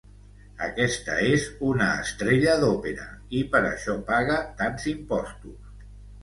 Aquesta és una estrella d'òpera, i per això paga tants impostos.